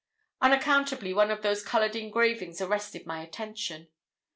Unaccountably one of those coloured engravings arrested my attention.